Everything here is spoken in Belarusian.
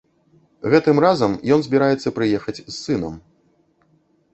Гэтым разам ён збіраецца прыехаць з сынам.